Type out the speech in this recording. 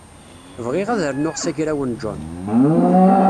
Bɣiɣ ad rnuɣ s agraw n John.